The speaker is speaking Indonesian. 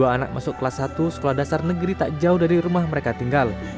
dua anak masuk kelas satu sekolah dasar negeri tak jauh dari rumah mereka tinggal